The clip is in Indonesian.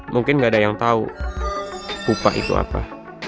mungkin nggak ada yang tahu kupah itu apa